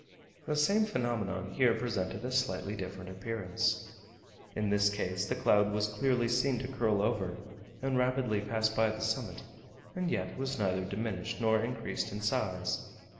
The same phenomenon here presented a slightly different appearance. In this case the cloud was clearly seen to curl over, and rapidly pass by the summit, and yet was neither diminished nor increased in size.